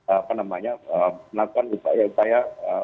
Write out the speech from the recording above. apa namanya melakukan upaya upaya